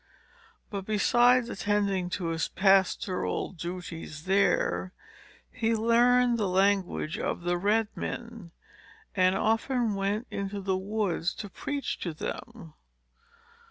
But besides attending to his pastoral duties there, he learned the language of the red men, and often went into the woods to preach to them.